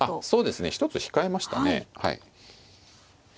そうですね一つ控えましたね。